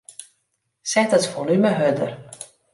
Set it folume hurder.